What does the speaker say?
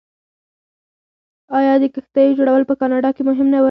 آیا د کښتیو جوړول په کاناډا کې مهم نه و؟